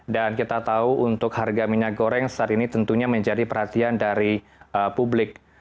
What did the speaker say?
dan kita tahu untuk harga minyak goreng saat ini tentunya menjadi perhatian dari publik